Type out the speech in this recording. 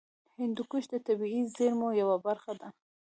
هندوکش د طبیعي زیرمو یوه برخه ده.